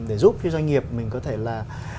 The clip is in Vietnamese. để giúp cho doanh nghiệp mình có thể là